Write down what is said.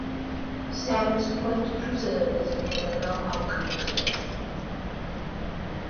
Sam's Point Preserve is near the Mohonk Preserve.